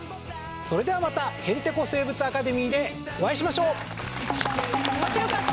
それではまた「へんてこ生物アカデミー」でお会いしましょう！面白かった！